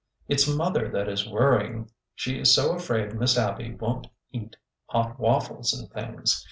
It 's mother that is worrying. She is so afraid Miss Abby won't eat hot waffles and things."